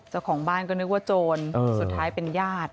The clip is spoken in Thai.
เจ้าของบ้านก็นึกว่าโจรสุดท้ายเป็นญาติ